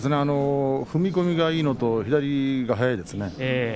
踏み込みがいいのと左が速いですね。